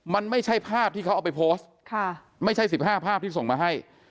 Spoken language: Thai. มันไม่ใช่ภาพที่เขาเอาไปโพสต์ไม่ใช่๑๕ภาพที่ส่งมาให้